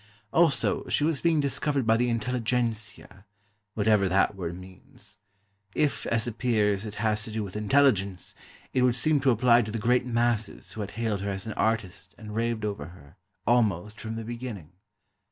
Also, she was being discovered by the "intelligentsia," whatever that word means. If, as appears, it has to do with intelligence, it would seem to apply to the great masses who had hailed her as an artist and raved over her, almost from the beginning.